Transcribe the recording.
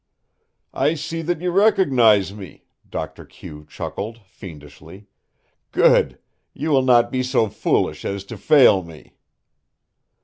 "I see that you recognize me," Doctor Q chuckled, fiendishly. "Good! You will not be so foolish as to fail me."